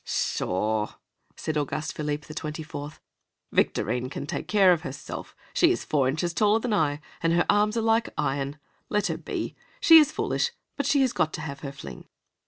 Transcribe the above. "Pshaw!" said Auguste Philippe the Twenty fourth, "Victorine can take care of herself. She is four inches taller than I, and her arms are like iron. Let her be. She is foolish, but she has got to have her fling."